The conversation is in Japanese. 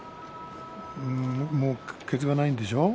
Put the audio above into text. もうケツがないんでしょう？